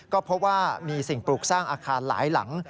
ก็พบว่ามีสิ่งปลูกสร้างอาคารหลายหลัง